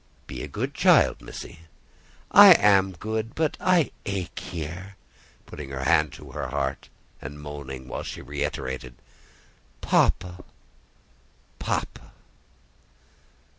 "Be a good child, Missy." "I am good, but I ache here;" putting her hand to her heart, and moaning while she reiterated, "Papa! papa!"